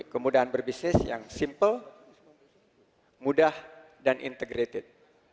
kemudahan berbisnis yang simple mudah dan integrated